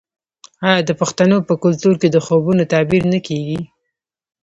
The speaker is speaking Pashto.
آیا د پښتنو په کلتور کې د خوبونو تعبیر نه کیږي؟